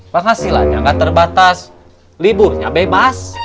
pak hasilannya nggak terbatas liburnya bebas